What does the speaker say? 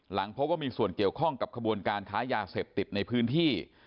พบว่ามีส่วนเกี่ยวข้องกับขบวนการค้ายาเสพติดในพื้นที่